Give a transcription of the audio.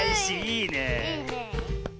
いいねえ。